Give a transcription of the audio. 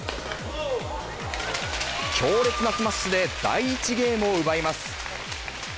強烈なスマッシュで第１ゲームを奪います。